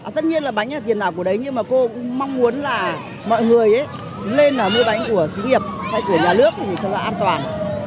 tất nhiên là bánh là tiền nào của đấy nhưng mà cô cũng mong muốn là mọi người lên là mua bánh của sĩ nghiệp hay của nhà nước thì cho nó an toàn